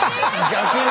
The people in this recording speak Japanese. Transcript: ⁉逆に？